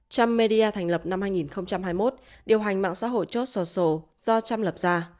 trump media thành lập năm hai nghìn hai mươi một điều hành mạng xã hội chod social do trump lập ra